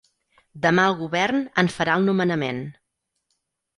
Demà el govern en farà el nomenament.